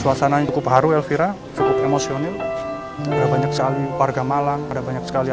suasana yang cukup haru elvira cukup emosional banyak sekali warga malang ada banyak sekali